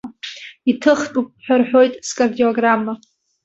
Иҭыхтәуп ҳәа рҳәоит скардиограмма.